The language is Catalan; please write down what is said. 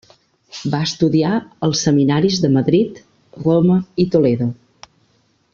Va estudiar als seminaris de Madrid, Roma i Toledo.